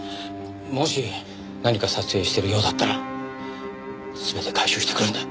もし何か撮影してるようだったら全て回収してくるんだ。